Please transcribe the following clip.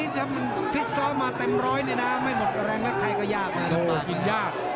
ชกยากน่ะต้องไปกันเนี่ย